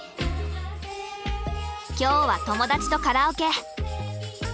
今日は友達とカラオケ。